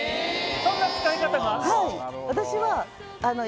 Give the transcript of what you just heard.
そんな使い方が。